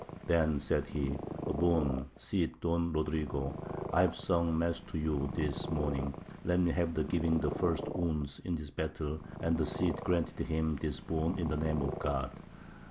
Then said he, A boon, Cid Don Rodrigo; I have sung mass to you this morning: let me have the giving the first wounds in this battle and the Cid granted him this boon in the name of God.